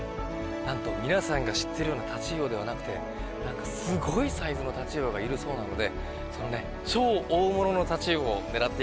なんと皆さんが知ってるようなタチウオではなくてなんかすごいサイズのタチウオがいるそうなのでそのね超大物のタチウオを狙っていきたいなというふうに思います。